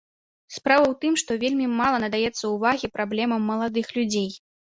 Справа ў тым, што вельмі мала надаецца ўвагі праблемам маладых людзей.